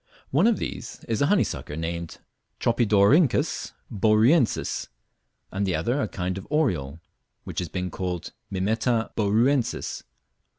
One of these is a honeysucker named Tropidorhynchus bouruensis, and the other a kind of oriole, which has been called Mimeta bouruensis.